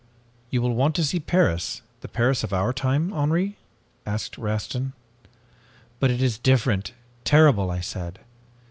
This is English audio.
"'You will want to see Paris the Paris of our time, Henri?' asked Rastin. "'But it is different terrible ' I said.